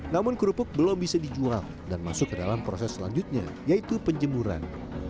namun kerupuk belum bisa dijual dan masuk ke dalam proses selanjutnya yaitu penjemuran